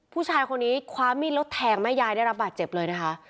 ผู้ชายคนนี้คว้ามีดแล้วแทงแม่ยายได้รับบาดเจ็บเลยนะคะ